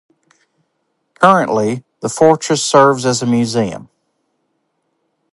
Currently, the fortress serves as a museum.